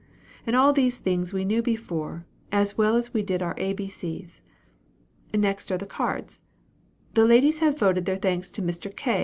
and all these things we knew before, as well as we did our A B C's. Next are the cards: The ladies have voted their thanks to Mr. K.